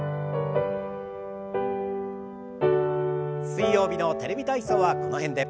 水曜日の「テレビ体操」はこの辺で。